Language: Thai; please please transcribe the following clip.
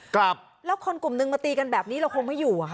ครับแล้วคนกลุ่มนึงมาตีกันแบบนี้เราคงไม่อยู่อ่ะค่ะ